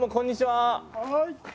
はい。